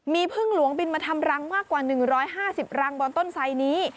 มีพึ่งหลวงบินมาทำรังมากกว่า๑๕๐รังบนต้นไสนี้